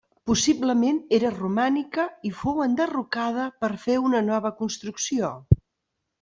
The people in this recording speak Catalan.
Possiblement era romànica i fou enderrocada per fer una nova construcció.